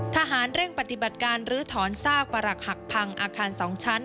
ทหารเร่งปฏิบัติการลื้อถอนซากประหลักหักพังอาคาร๒ชั้น